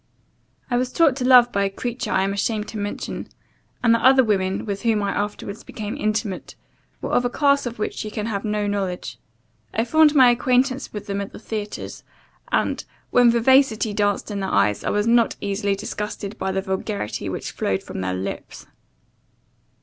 I was taught to love by a creature I am ashamed to mention; and the other women with whom I afterwards became intimate, were of a class of which you can have no knowledge. I formed my acquaintance with them at the theaters; and, when vivacity danced in their eyes, I was not easily disgusted by the vulgarity which flowed from their lips.